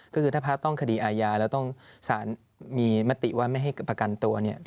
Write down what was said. ก็คือถ้าพระต้องคดีอาญาแล้วต้องสารมีมติว่าไม่ให้ประกันตัว